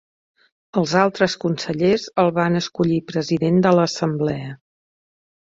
Els altres consellers el va escollir president de l'assemblea.